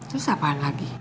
terus siapaan lagi